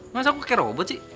masa kok kaya robot sih